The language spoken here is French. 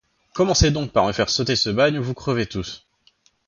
Commencez donc par me faire sauter ce bagne où vous crevez tous!